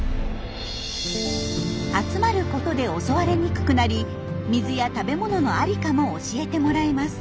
集まることで襲われにくくなり水や食べ物の在りかも教えてもらえます。